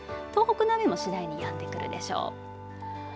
東北の雨も次第にやんでくるでしょう。